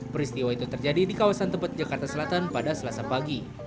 peristiwa itu terjadi di kawasan tebet jakarta selatan pada selasa pagi